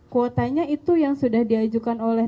kuotanya itu yang sudah diajukan oleh